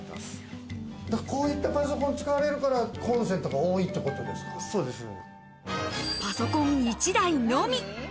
こういったパソコン使われるから、コンセントが多いってことですね。